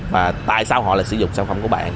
và tại sao họ lại sử dụng sản phẩm của bạn